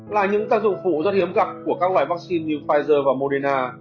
là những tác dụng phổ rất hiếm gặp của các loài vaccine như pfizer và moderna